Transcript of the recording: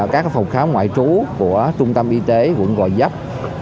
các phòng khám ngoại trú của trung tâm y tế vụn gòi dấp